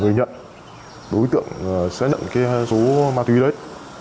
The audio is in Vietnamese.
thì nhận đối tượng sẽ nhận cái số ma túy đấy